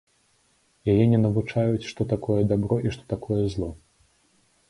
Яе не навучаюць, што такое дабро і што такое зло.